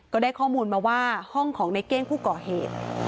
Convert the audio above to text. ก็ได้ข้อมูลมาว่าห้องของในเก้งผู้ก่อเหตุ